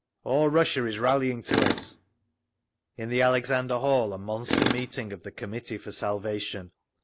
All Russia is rallying to us…. In the Alexander Hall a monster meeting of the Committee for Salvation.